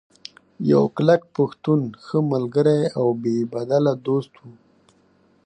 يو کلک پښتون ، ښۀ ملګرے او بې بدله دوست وو